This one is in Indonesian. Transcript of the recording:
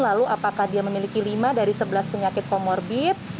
lalu apakah dia memiliki lima dari sebelas penyakit komorbit